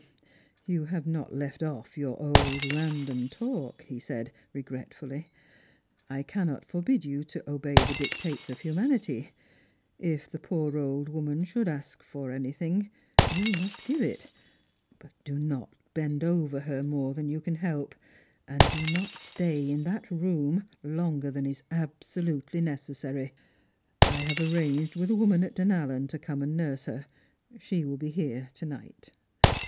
"You have not left off your old random talk," he said, regret fully. I cannot forbid you to obey the dictates of humanity. If the poor old woman should ask you for anything, you must give it. But do not bend over her more than you can help, and do not stay in that room longer than is absolutely necessary. I have arranged with a woman at Dunallen to come and nurse her. She will be here to night."